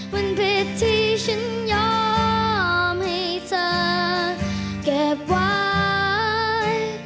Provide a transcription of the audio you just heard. มันผิดที่ฉันยอมให้เธอเก็บไว้